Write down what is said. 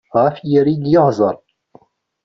Ɣef yiri n yeɣẓeṛ.